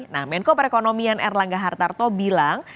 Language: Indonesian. nah menko perekonomian erlangga hartarto bilang